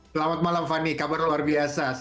selamat malam fani kabar luar biasa